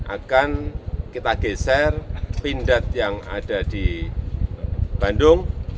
akan kita geser pindad yang ada di bandung